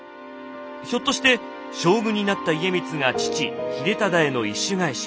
ひょっとして将軍になった家光が父・秀忠への意趣返し